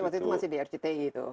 waktu itu masih di rcti itu